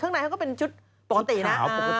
ข้างในเขาก็เป็นชุดปกตินะ